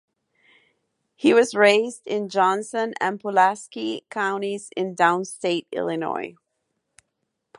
He was raised in Johnson and Pulaski counties in downstate Illinois.